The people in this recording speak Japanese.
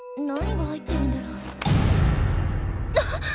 何が入ってるんだろう？